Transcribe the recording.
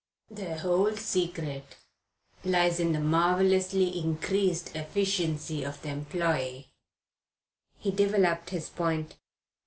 "The whole secret lies in the marvellously increased efficiency of the employee." He developed his point.